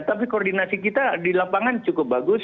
tapi koordinasi kita di lapangan cukup bagus